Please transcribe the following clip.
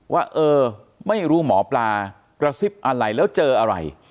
ว่าเออไม่รู้หมอปลากระซิบอะไรแล้วเจออะไร